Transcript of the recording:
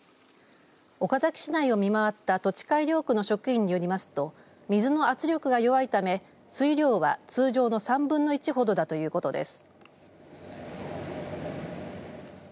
岡崎市内を見回った土地改良区の職員によりますと水の圧力が弱いため水量は通常の３分の１ほどだということです。